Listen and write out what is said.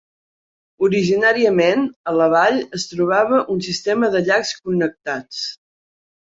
Originàriament, a la vall es trobava un sistema de llacs connectats.